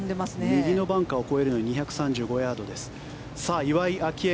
右のバンカーを越えるのに２３５ヤードです。